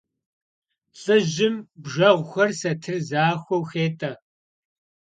ЛӀыжьым бжэгъухэр сатыр захуэу хетӀэ.